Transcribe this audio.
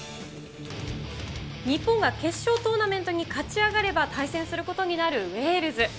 日本が決勝トーナメントに勝ち上がれば対戦することになるウェールズ。